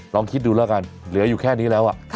ลองคิดดูแล้วกันเหลืออยู่แค่นี้แล้ว